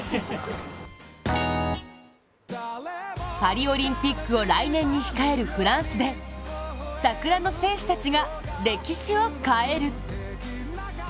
パリオリンピックを来年に控えるフランスで桜の戦士たちが歴史を変える！